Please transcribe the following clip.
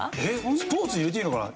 スポーツに入れていいのかな？